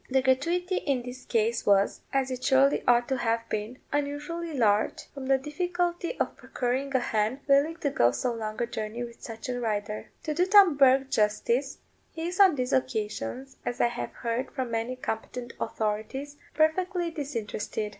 The gratuity in this case was, as it surely ought to have been, unusually large, from the difficulty of procuring a hen willing to go so long a journey with such a rider. To do Tom Bourke justice, he is on these occasions, as I have heard from many competent authorities, perfectly disinterested.